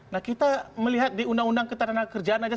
nah kita melihat di undang undang ketenaga kerjaan saja